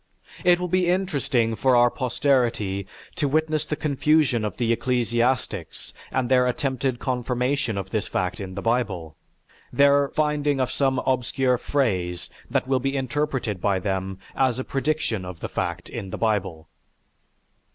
It will be interesting for our posterity to witness the confusion of the ecclesiastics and their attempted confirmation of this fact in the Bible; their finding of some obscure phrase that will be interpreted by them as a prediction of the fact in the Bible.